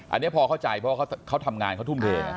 อันนี้พอเข้าใจเพราะเขาทำงานเขาทุ่มเท